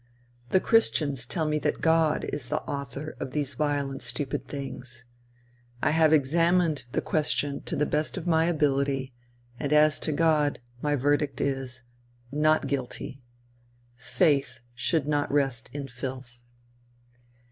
The christians tell me that God is the author of these vile and stupid things? I have examined the question to the best of my ability, and as to God my verdict is: Not guilty. Faith should not rest in filth.